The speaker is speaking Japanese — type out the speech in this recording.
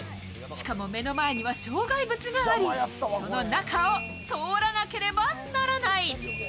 しかも、目の前には障害物があり、その中を通らなければならない。